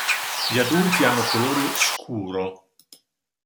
Gli adulti hanno colore scuro.